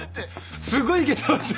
すごいイケてますよ。